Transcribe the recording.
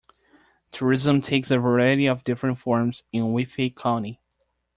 Tourism takes a variety of different forms in Wythe County.